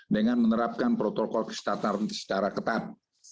dengan menerapkan protokol kesehatan secara ketat